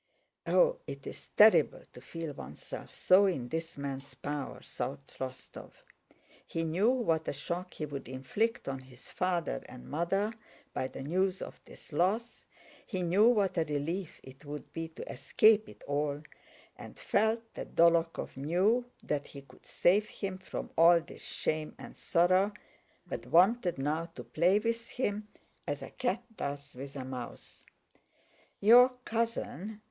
"Oh, it's terrible to feel oneself so in this man's power," thought Rostóv. He knew what a shock he would inflict on his father and mother by the news of this loss, he knew what a relief it would be to escape it all, and felt that Dólokhov knew that he could save him from all this shame and sorrow, but wanted now to play with him as a cat does with a mouse. "Your cousin..."